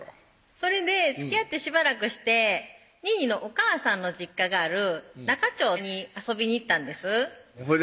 それでつきあってしばらくしてにぃにのお母さんの実家がある那賀町に遊びに行ったんですほいで？